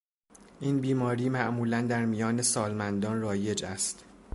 این بیماری معمولا در میان سالمندان رایج است.